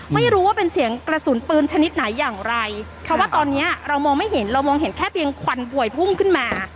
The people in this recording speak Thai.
ไม่รู้ว่าเป็นเสียงกระสุนปืนชนิดไหนอย่างไรเพราะว่าตอนเนี้ยเรามองไม่เห็นเรามองเห็นแค่เพียงควันหวยพุ่งขึ้นมา